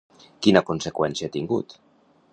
Quina conseqüència ha tingut?